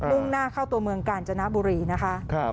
่งหน้าเข้าตัวเมืองกาญจนบุรีนะคะ